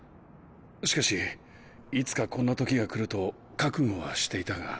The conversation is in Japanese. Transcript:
しかしいつかこんな時が来ると覚悟はしていたが。